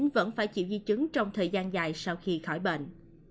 vẫn phải chịu di chứng trong thời gian dài sau khi khỏi bệnh